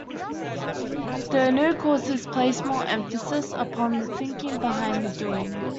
The new courses place more emphasis upon "the thinking behind the doing".